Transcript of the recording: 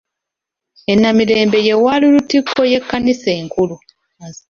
E Namirembe ye wali lutikko y’Ekkanisa enkulu.